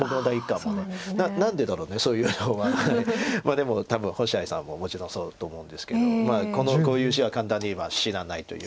でも多分星合さんももちろんそうだと思うんですけどこういう石は簡単には死なないという。